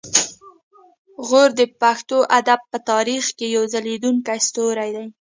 غور د پښتو ادب په تاریخ کې یو ځلیدونکی ستوری دی